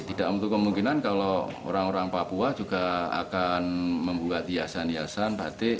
jadi tidak untuk kemungkinan kalau orang orang papua juga akan membuat yayasan yasan batik